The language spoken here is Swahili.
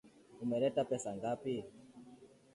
Umeleta pesa ngapi?